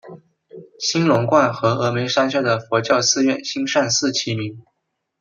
兴隆观和峨嵋山下的佛教寺院兴善寺齐名。